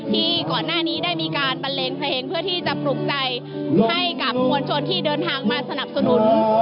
ที่ก่อนหน้านี้ได้มีการบันเลงเพลงเพื่อที่จะปลุกใจให้กับมวลชนที่เดินทางมาสนับสนุน